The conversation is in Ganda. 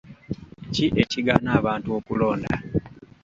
Ki ekigaana abantu okulonda?